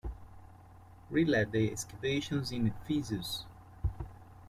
He led the excavations in Ephesus.